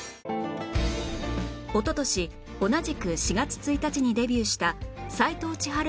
おととし同じく４月１日にデビューした斎藤ちはる